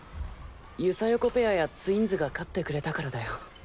ユサヨコペアやツインズが勝ってくれたからだよ。